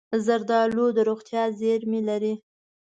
زردالو د روغتیا زېرمې لري.